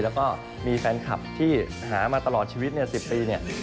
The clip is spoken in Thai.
แล้วก็มีแฟนคลับที่หามาตลอดชีวิต๑๐ปีเนี่ย